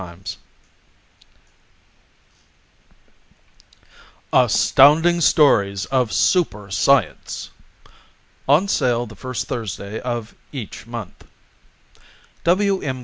net 20¢ ASTOUNDING STORIES OF SUPER SCIENCE On Sale the First Thursday of Each Month W. M.